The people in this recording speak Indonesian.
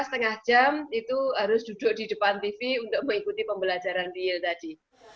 setengah jam itu harus duduk di depan tv untuk mengikuti pembelajaran real tadi